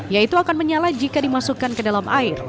yaitu akan menyala jika dimasukkan ke dalam air